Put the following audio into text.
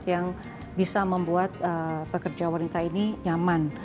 yang bisa membuat pekerja wanita ini nyaman